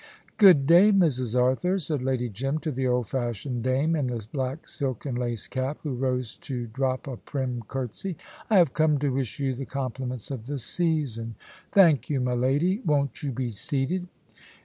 "Good day, Mrs. Arthur," said Lady Jim, to the old fashioned dame in the black silk and lace cap, who rose to drop a prim curtsey. "I have come to wish you the compliments of the season." "Thank you, my lady. Won't you be seated?"